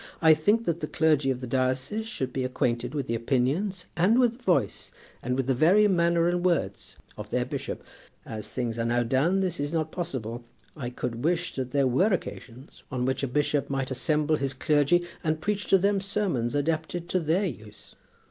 I think that the clergy of the diocese should be acquainted with the opinions, and with the voice, and with the very manner and words of their bishop. As things are now done, this is not possible. I could wish that there were occasions on which a bishop might assemble his clergy, and preach to them sermons adapted to their use."